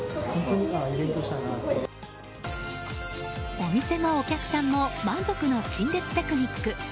お店も、お客さんも満足の陳列テクニック。